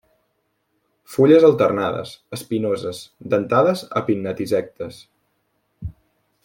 Fulles alternades, espinoses, dentades a pinnatisectes.